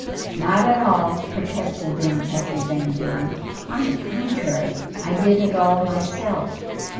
"Not at all," protested the unhappy Van Buren. "On the contrary, I did it all myself.